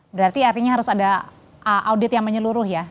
berarti artinya harus ada audit yang menyeluruh ya